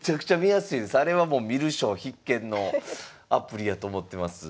あれはもう観る将必見のアプリやと思ってます。